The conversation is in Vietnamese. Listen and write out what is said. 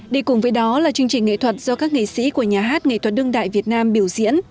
đi cùng với đó là chương trình nghệ thuật do các nghệ sĩ của nhà hát nghệ thuật đương đại việt nam biểu diễn